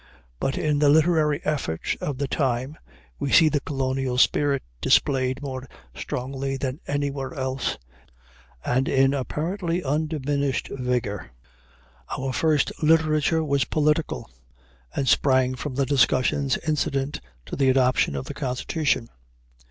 But in the literary efforts of the time we see the colonial spirit displayed more strongly than anywhere else, and in apparently undiminished vigor. Our first literature was political, and sprang from the discussions incident to the adoption of the Constitution.